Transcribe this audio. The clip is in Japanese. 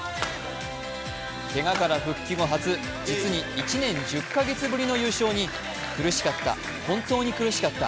けがから復帰後初、実に１年１０カ月ぶりの優勝に苦しかった、本当に苦しかった。